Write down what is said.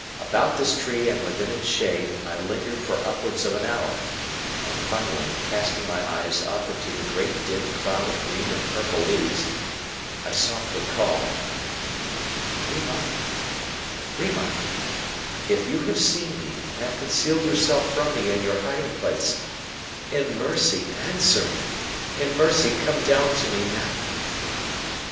About this tree, and within its shade, I lingered for upwards of an hour; and, finally, casting my eyes up into the great dim cloud of green and purple leaves, I softly called: "Rima, Rima, if you have seen me, and have concealed yourself from me in your hiding place, in mercy answer me in mercy come down to me now!"